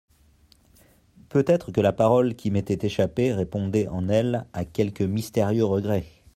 Peut-être que la parole qui m'était échappée répondait en elle à quelque mystérieux regret.